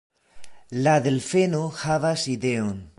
La delfeno havas ideon: